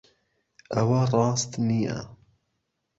ئەوە ڕاست نییە.